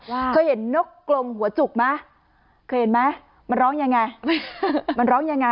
ว่าเคยเห็นนกกลงหัวจุกไหมเคยเห็นไหมมันร้องยังไงมันร้องยังไง